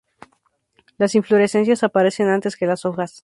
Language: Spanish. Las inflorescencias aparecen antes que las hojas.